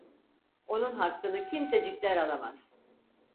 Onun hakkını kimsecikler alamaz.